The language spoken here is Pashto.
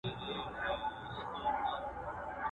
هري خوا ته يې سكروټي غورځولي؛